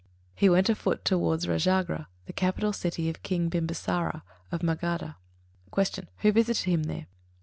He went afoot towards Rājagrha, the capital city of King Bimbisāra, of Magadha. 46. Q. _Who visited him there?